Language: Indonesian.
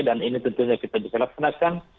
dan ini tentunya kita diselesaikan